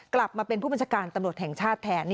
กลับมาเป็นผู้บัญชาการตำรวจแห่งชาติแทน